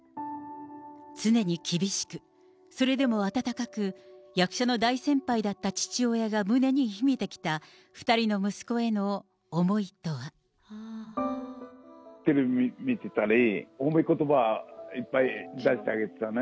常に厳しく、それでも温かく、役者の大先輩だった父親が胸に秘めてきた２人の息子への思いとは。テレビ見てたり、褒めことば、いっぱい出してあげてたね。